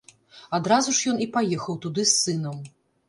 Адразу ж ён і паехаў туды з сынам.